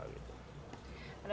ada banyak sekali